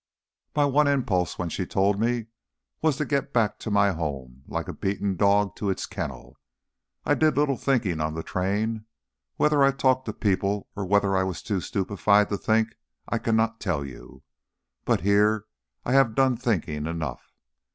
My one impulse when she told me was to get back to my home like a beaten dog to its kennel. I did little thinking on the train; whether I talked to people or whether I was too stupefied to think, I cannot tell you. But here I have done thinking enough.